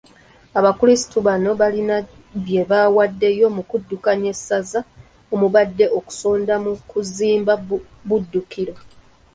Abakulisitu bano balina bye bawaddeyo mu kuddukanya essaza omubadde n'okusonda mu kuzimba Buddukiro.